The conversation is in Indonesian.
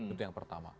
itu yang pertama